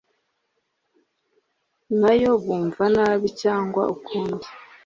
nayo bumva nabi cyangwa ukundi